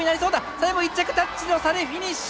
最後１着タッチの差でフィニッシュ。